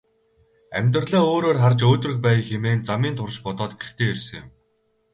Амьдралаа өөрөөр харж өөдрөг байя хэмээн замын турш бодоод гэртээ ирсэн юм.